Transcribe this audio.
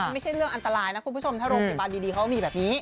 ไม่ใช่เรื่องอันตรายนะคุณผู้ชมถ้าโรงพยาบาลดีเขามีแบบนี้